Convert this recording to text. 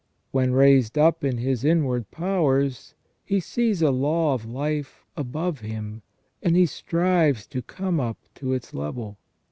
When raised up in his inward powers, he sees a law of life above him, and he strives to come up to its level.